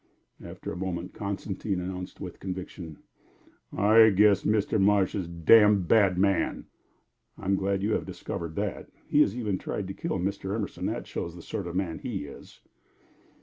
After a moment Constantine announced, with conviction: "I guess Mr. Marsh is damn bad man." "I'm glad you have discovered that. He has even tried to kill Mr. Emerson; that shows the sort of man he is."